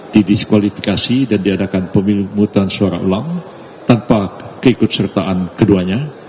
didiskualifikasi dan diadakan pemilu mutan suara ulang tanpa keikutsertaan keduanya